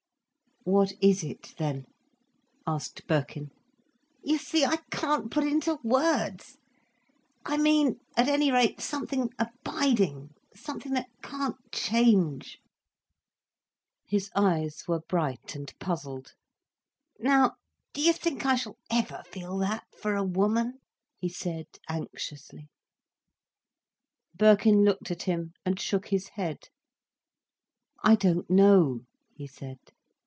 "What is it, then?" asked Birkin. "You see, I can't put it into words. I mean, at any rate, something abiding, something that can't change—" His eyes were bright and puzzled. "Now do you think I shall ever feel that for a woman?" he said, anxiously. Birkin looked at him, and shook his head. "I don't know," he said.